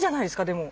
でも。